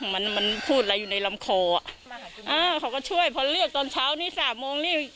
มันมันพูดอะไรอยู่ในลำคออ่ะอ่าเขาก็ช่วยพอเลือกตอนเช้านี้สามโมงนี่